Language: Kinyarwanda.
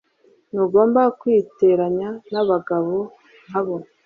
Ntugomba kwiteranya nabagabo nkabo.